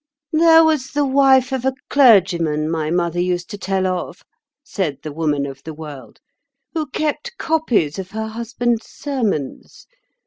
"There was the wife of a clergyman my mother used to tell of," said the Woman of the World, "who kept copies of her husband's sermons.